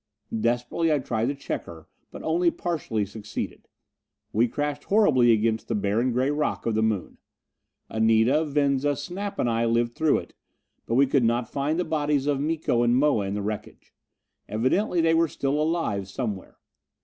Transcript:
Desperately I tried to check her, but only partially succeeded. We crashed horribly against the barren gray rock of the Moon. Anita, Venza, Snap and I lived through it, but we could not find the bodies of Miko and Moa in the wreckage. Evidently they were still alive, somewhere.